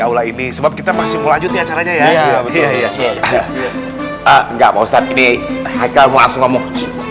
aula ini sebab kita masih lanjut acaranya ya nggak mau ini aikal mau ngomong